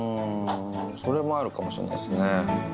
それもあるかもしれないですね。